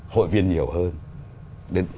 hội viên nhiều hơn